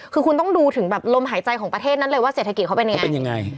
คือคุณต้องดูถึงแบบลมหายใจของประเทศนั้นเลยว่าเศรษฐกิจเขาเป็นยังไงเป็นยังไง